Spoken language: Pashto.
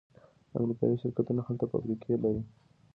امریکایی شرکتونه هلته فابریکې لري.